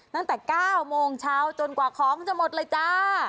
ตั้งแต่๙โมงเช้าจนกว่าของจะหมดเลยจ้า